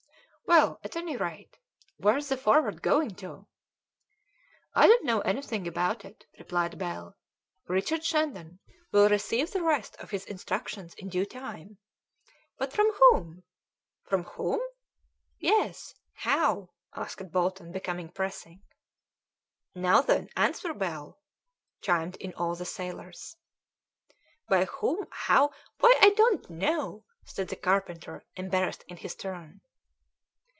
"Well, at any rate, where's the Forward going to?" "I don't know anything about it," replied Bell. "Richard Shandon will receive the rest of his instructions in due time." "But from whom?" "From whom?" "Yes, how?" asked Bolton, becoming pressing. "Now then, answer, Bell!" chimed in all the other sailors. "By whom? how? Why, I don't know," said the carpenter, embarrassed in his turn.